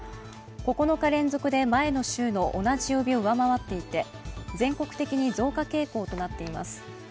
９日連続で前の週の同じ曜日を上回っていて、全国的に増加傾向となっています。